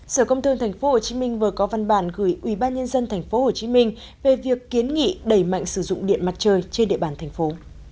sở công thương tp hcm vừa có văn bản gửi ubnd tp hcm về việc kiến nghị đẩy mạnh sử dụng điện mặt trời trên địa bàn thành phố